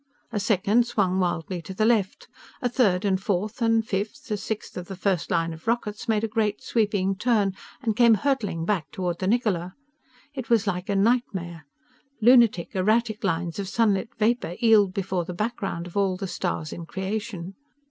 A second swung wildly to the left. A third and fourth and fifth The sixth of the first line of rockets made a great, sweeping turn and came hurtling back toward the Niccola. It was like a nightmare. Lunatic, erratic lines of sunlit vapor eeled before the background of all the stars in creation.